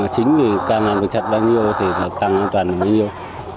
chính thì càng làm được chặt bao nhiêu thì càng an toàn bao nhiêu